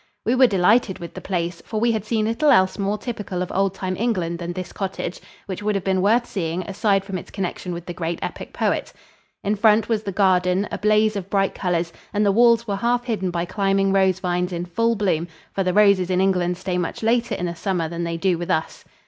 We were delighted with the place, for we had seen little else more typical of old time England than this cottage, which would have been worth seeing aside from its connection with the great epic poet. In front was the garden, a blaze of bright colors, and the walls were half hidden by climbing rose vines in full boom for the roses in England stay much later in the summer than they do with us.